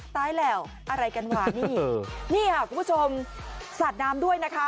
ตายแล้วอะไรกันว่ะนี่นี่ค่ะคุณผู้ชมสาดน้ำด้วยนะคะ